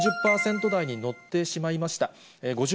３０％台に乗ってしまいました。